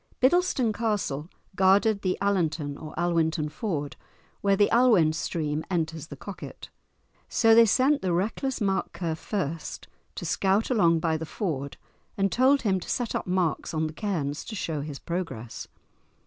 Biddleston Castle guarded the Allanton or Alwinton ford, where the Alwin stream enters the Coquet. So they sent the reckless Mark Ker first, to scout along by the ford, and told him to set up marks on the cairns to show his progress.